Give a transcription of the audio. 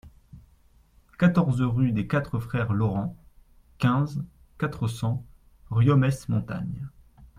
quatorze rue des Quatre Frères Laurent, quinze, quatre cents, Riom-ès-Montagnes